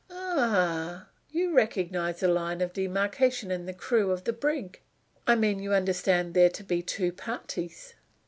"Ah, you recognize a line of demarcation in the crew of the brig? I mean you understand there to be two parties."